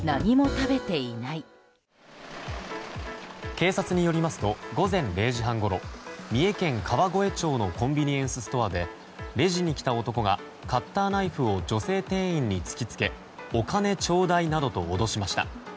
警察によりますと午前０時半ごろ三重県川越町のコンビニエンスストアでレジに来た男がカッターナイフを女性店員に突きつけお金ちょうだいなどと脅しました。